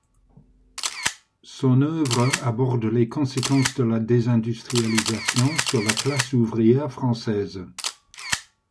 Son œuvre aborde les conséquences de la désindustrialisation sur la classe ouvrière française.